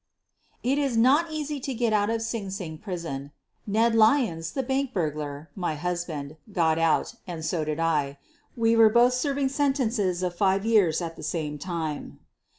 It is not easy to get out of Sing Sing Prison. Ned Lyons, the bank burglar, my husband, got out, and so did I. We were both serving sentences of five years at the same time.